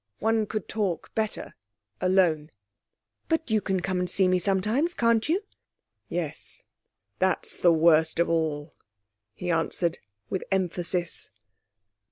One could talk better alone.' 'But you can come and see me sometimes, can't you?' 'Yes; that's the worst of all,' he answered, with emphasis.